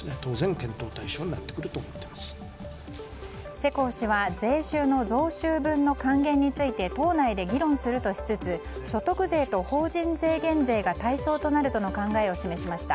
世耕氏は税収の増収分の還元について党内で議論するとしつつ所得税と法人税減税が対象となるとの考えを示しました。